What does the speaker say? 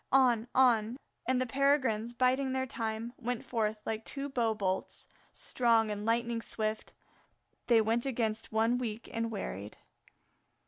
On, on; and the Peregrines, biding their time, went forth like two bow bolts; strong and lightning swift they went against one weak and wearied.